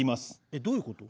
えっどういうこと？